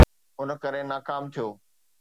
ان ڪري ناڪام ٿيو.